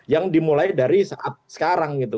yang dimulai dari saat sekarang gitu